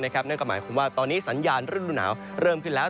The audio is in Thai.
นั่นก็หมายความว่าตอนนี้สัญญาณฤดูหนาวเริ่มขึ้นแล้ว